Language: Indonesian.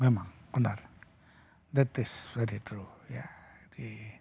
memang benar itu benar benar benar